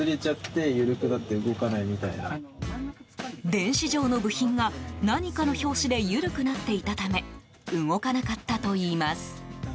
電子錠の部品が何かの拍子で緩くなっていたため動かなかったといいます。